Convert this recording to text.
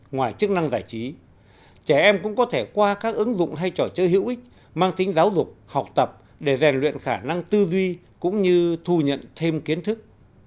ngoài chức năng giải trí trẻ em cũng có thể qua các ứng dụng hay trò chơi hữu ích mang tính giáo dục học tập để rèn luyện khả năng tư duy cũng như thu nhận thêm kiến thức